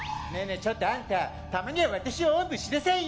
ちょっとあんたたまには私をオンブしなさいよ。